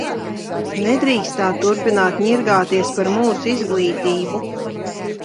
Nedrīkst tā turpināt ņirgāties par mūsu izglītību!